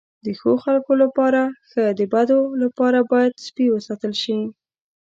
د ښو خلکو لپاره ښه، د بدو لپاره باید سپي وساتل شي.